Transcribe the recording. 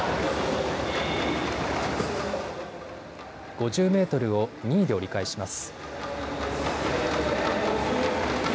５０メートルを２位で折り返します。